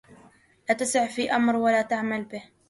لا تسع في أمر ولا تعمل به